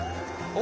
お！